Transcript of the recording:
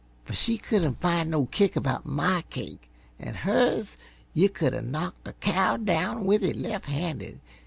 But she couldn't find no kick about MY cake, an' hers yuh c'd of knocked a cow down with it left handed!